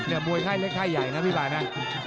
เนื้อมวยไข้เล็กไข้ใหญ่นะพี่ปายนะ